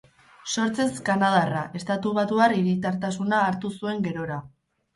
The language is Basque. Sortzez kanadarra, estatubatuar hiritartasuna hartu zuen gerora.